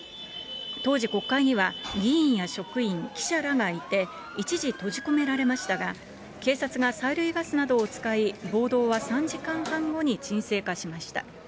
当時、国会には議員や職員、記者らがいて、一時閉じ込められましたが、警察が催涙ガスなどを使い、暴動は３時間半後に沈静化しました。